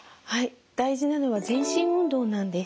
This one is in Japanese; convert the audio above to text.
大事なのは全身運動なんです。